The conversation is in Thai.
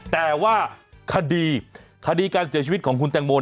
แต่ว่าคดีคดีการเสียชีวิตของคุณแตงโม